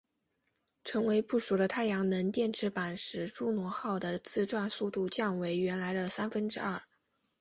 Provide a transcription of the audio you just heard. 成功布署的太阳能电池板使朱诺号的自转速度降为原来的三分之二。